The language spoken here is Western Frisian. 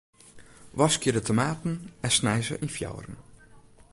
Waskje de tomaten en snij se yn fjouweren.